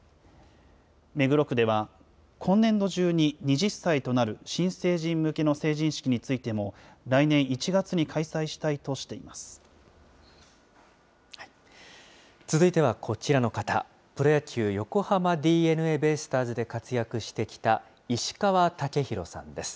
目黒区では、今年度中に２０歳となる新成人向けの成人式についても、来年１月続いてはこちらの方、プロ野球・横浜ＤｅＮＡベイスターズで活躍してきた石川雄洋さんです。